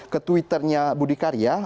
ke twitternya budi karya